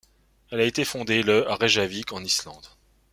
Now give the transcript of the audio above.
Elle a été fondée le à Reykjavik, en Islande.